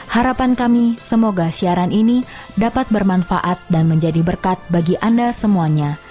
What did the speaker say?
harapan kami semoga siaran ini dapat bermanfaat dan menjadi berkat bagi anda semuanya